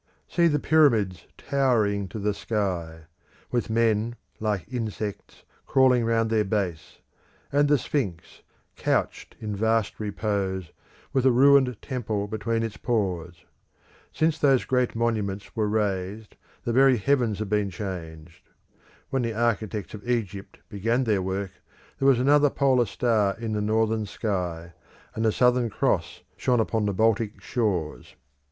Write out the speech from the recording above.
See the Pyramids towering to the sky; with men, like insects, crawling round their base; and the Sphinx, couched in vast repose, with a ruined temple between its paws. Since those great monuments were raised, the very heavens have been changed. When the architects of Egypt began their work, there was another polar star in the northern sky, and the Southern Cross shone upon the Baltic shores.